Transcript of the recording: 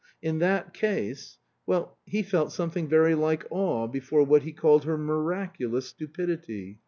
In that case well, he felt something very like awe before what he called her miraculous stupidity.